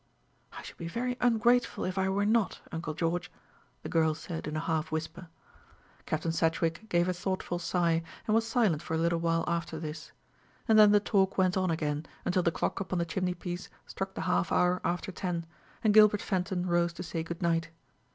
"I should be very ungrateful if I were not, uncle George," the girl said in a half whisper. Captain Sedgewick gave a thoughtful sigh, and was silent for a little while after this; and then the talk went on again until the clock upon the chimney piece struck the half hour after ten, and Gilbert Fenton rose to say good night.